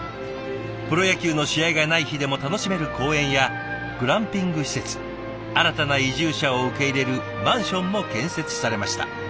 プロ野球の試合がない日でも楽しめる公園やグランピング施設新たな移住者を受け入れるマンションも建設されました。